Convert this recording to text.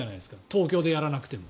東京でやらなくても。